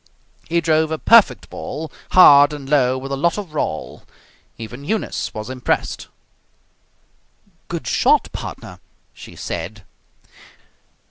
He drove a perfect ball, hard and low with a lot of roll. Even Eunice was impressed. "Good shot, partner!" she said.